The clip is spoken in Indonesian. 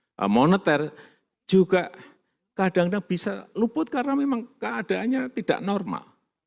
karena moneter juga kadang kadang bisa luput karena memang keadaannya tidak normal